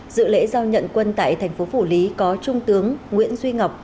dự lễ giao nhận quân tại thành phố phủ lý có trung tướng nguyễn duy ngọc